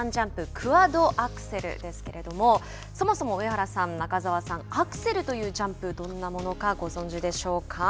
クワドアクセルですけれどもそもそも上原さん中澤さんアクセルというジャンプどんなものかご存じでしょうか。